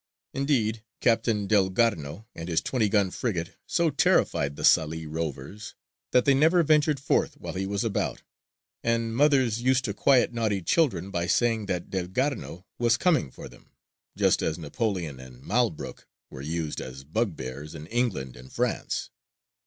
Indeed, Capt. Delgarno and his twenty gun frigate so terrified the Salē rovers, that they never ventured forth while he was about, and mothers used to quiet naughty children by saying that Delgarno was coming for them, just as Napoleon and "Malbrouk" were used as bugbears in England and France.